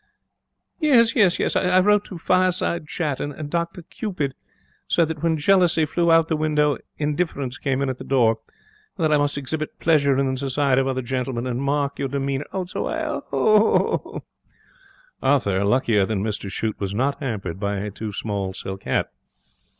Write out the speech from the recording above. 'Yes, yes, yes. I wrote to Fireside Chat, and Dr Cupid said that when jealousy flew out of the window indifference came in at the door, and that I must exhibit pleasure in the society of other gentlemen and mark your demeanour. So I Oh!' Arthur, luckier than Mr Shute, was not hampered by a too small silk hat.